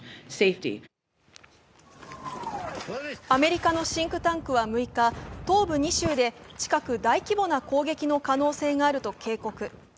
アメリカのシンクタンクは６日、東部２州で近く大規模な攻撃の可能性があると警告。